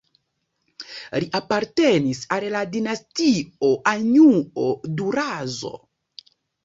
Li apartenis al la dinastio Anĵuo-Durazzo.